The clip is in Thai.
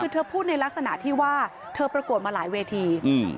คือเธอพูดในลักษณะที่ว่าเธอประกวดมาหลายเวที